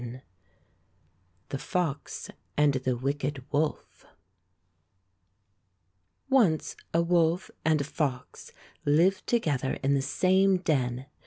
\ THE FOX AND THE WICKED WOLF O NCE a woK and a fox lived together in the same den.